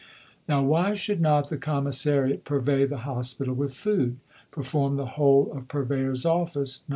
Now, why should not the Commissariat purvey the Hospital with food? perform the whole of Purveyor's office, No.